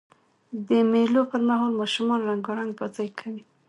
د مېلو پر مهال ماشومان رنګارنګ بازۍ کوي.